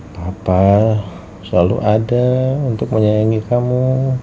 papa selalu ada untuk menyayangi kamu